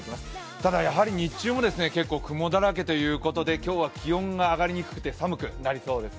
ただ、日中も結構雲だらけということで、今日は気温が上がりにくくて寒くなりそうですよ。